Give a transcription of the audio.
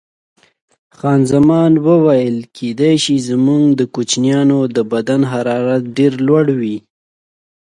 خان زمان وویل: کېدای شي، زموږ د کوچنیانو د بدن حرارت ډېر لوړ وي.